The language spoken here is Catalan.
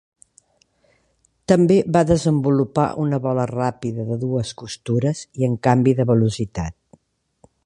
També va desenvolupar una bola ràpida de dues costures i amb canvi de velocitat.